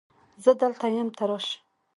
زه دلته یم ته راشه